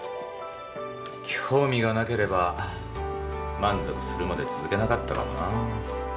興味がなければ満足するまで続けなかったかもな。